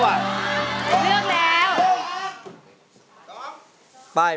๑ป้าย๑ป้าย